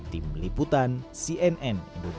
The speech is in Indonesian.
tim liputan cnn indonesia